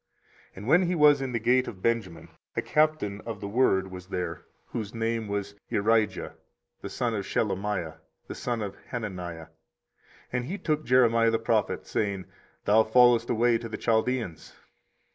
24:037:013 And when he was in the gate of Benjamin, a captain of the ward was there, whose name was Irijah, the son of Shelemiah, the son of Hananiah; and he took Jeremiah the prophet, saying, Thou fallest away to the Chaldeans.